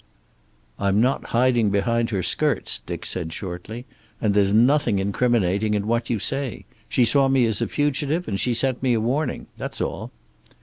"I'm not hiding behind her skirts," Dick said shortly. "And there's nothing incriminating in what you say. She saw me as a fugitive, and she sent me a warning. That's all."